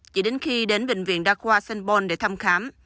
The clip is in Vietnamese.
chỉ đến khi đến bệnh viện đa khoa st paul để thăm khám